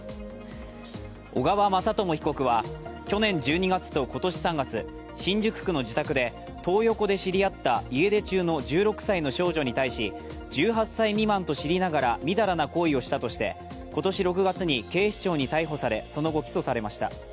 小川雅朝被告は去年１２月と今年３月、新宿区の自宅でトー横で知り合った家出中の１６歳の少女に対し１８歳未満と知りながらみだらな行為をしたとして今年６月に警視庁に逮捕されその後、起訴されました。